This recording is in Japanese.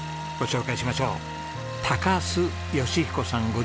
ご紹介しましょう。